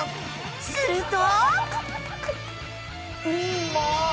すると